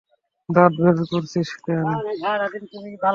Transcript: দাঁত বের করছিস কেন!